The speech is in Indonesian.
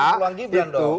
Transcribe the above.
peluang gibran dong